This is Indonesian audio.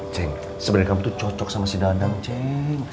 ceng sebenarnya kamu tuh cocok sama si dadang ceng